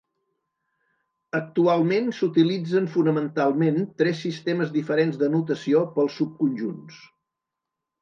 Actualment s'utilitzen fonamentalment tres sistemes diferents de notació pels subconjunts.